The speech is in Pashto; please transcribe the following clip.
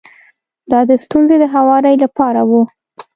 دا د ستونزې د هواري لپاره و.